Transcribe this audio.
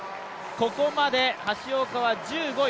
ここまで橋岡は１５位。